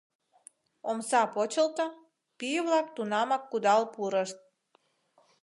Омса почылто, пий-влак тунамак кудал пурышт.